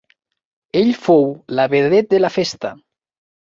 Ell fou la vedet de la festa.